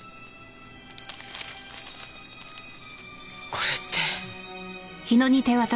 これって。